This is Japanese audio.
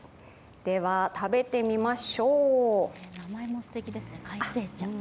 では、食べてみましょう。